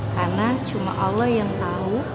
karena cuma allah yang tahu